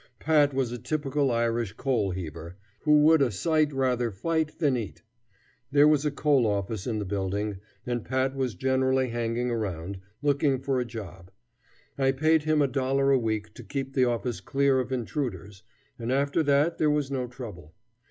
Pat was a typical Irish coal heaver, who would a sight rather fight than eat. There was a coal office in the building, and Pat was generally hanging around, looking for a job. I paid him a dollar a week to keep the office clear of intruders, and after that there was no trouble.